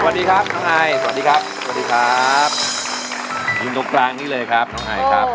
สวัสดีครับน้องไอสวัสดีครับสวัสดีครับยืนตรงกลางนี้เลยครับน้องไอครับ